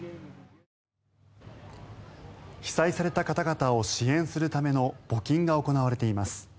被災された方々を支援するための募金が行われています。